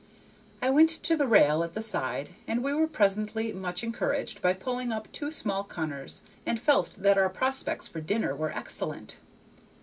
I went to the rail at the side, and we were presently much encouraged by pulling up two small cunners, and felt that our prospects for dinner were excellent.